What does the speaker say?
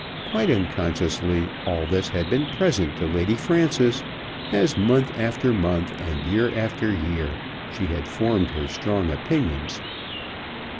Quite unconsciously, all this had been present to Lady Frances as month after month and year after year she had formed her strong opinions.